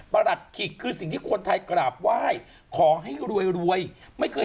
หลัดขิกคือสิ่งที่คนไทยกราบไหว้ขอให้รวยรวยไม่เคย